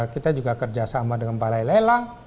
kita juga kerjasama dengan balai lelang